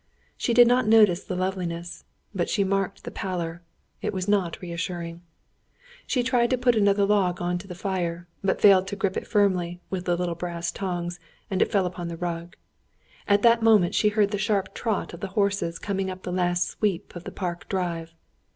She did not notice the loveliness, but she marked the pallor. It was not reassuring. She tried to put another log on to the fire, but failed to grip it firmly with the little brass tongs, and it fell upon the rug. At that moment she heard the sharp trot of the horses coming up the last sweep of the park drive.